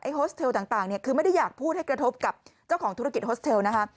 โฮสเทลต่างเนี่ยคือไม่ได้อยากพูดให้กระทบกับเจ้าของธุรกิจโฮสเทลนะคะ